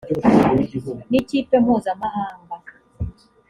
nikipe mpuzamahanga